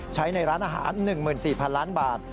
ใช้ในร้านอาหาร๑๔๐๐๐ล้านบาท